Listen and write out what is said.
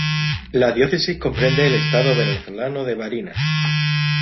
La diócesis comprende el estado venezolano de Barinas.